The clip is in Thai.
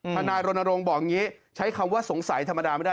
ทนายรณรงค์บอกอย่างนี้ใช้คำว่าสงสัยธรรมดาไม่ได้